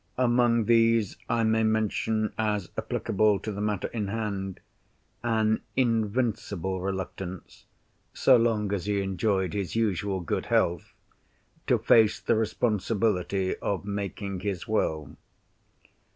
Among these, I may mention as applicable to the matter in hand, an invincible reluctance—so long as he enjoyed his usual good health—to face the responsibility of making his will.